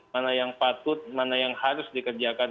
mana yang patut mana yang harus dikerjakan